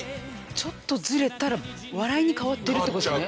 ちょっとずれたら笑いに変わってるって事だよね。